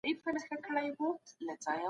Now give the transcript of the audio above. هګۍ د وینې فشار ټیټوي.